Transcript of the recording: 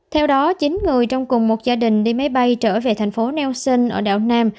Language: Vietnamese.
theo đó chín người trong cùng một gia đình đi máy bay trở về thành phố neoson ở đảo nam